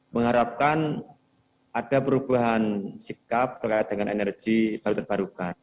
mengharapkan ada perubahan sikap terkait dengan energi baru terbarukan